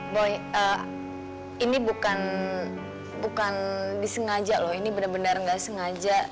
boy eh ini bukan bukan disengaja loh ini bener bener ga sengaja